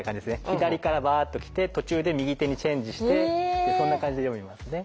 左からバーッときて途中で右手にチェンジしてそんな感じで読みますね。